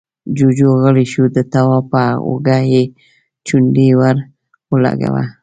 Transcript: جُوجُو غلی شو، د تواب پر اوږه يې چونډۍ ور ولګوله: